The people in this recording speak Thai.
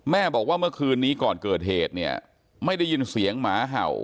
บอกว่าเมื่อคืนนี้ก่อนเกิดเหตุเนี่ยไม่ได้ยินเสียงหมาเห่า